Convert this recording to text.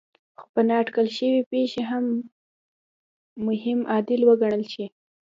خو په نااټکل شوې پېښې هم مهم عامل وګڼل شي.